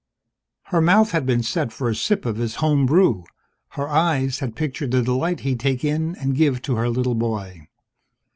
Her mouth had been set for a sip of his home brew, her eyes had pictured the delight he'd take in and give to her little boy.